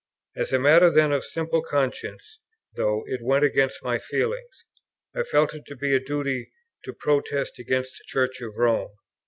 As a matter, then, of simple conscience, though it went against my feelings, I felt it to be a duty to protest against the Church of Rome.